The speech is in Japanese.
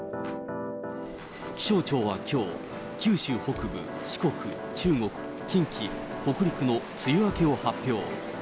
気象庁はきょう、九州北部、四国、中国、近畿、北陸の梅雨明けを発表。